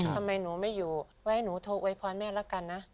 ทำไมหนูไม่อยู่ไว้ให้หนูโทรโวยพรแม่ละกันนะ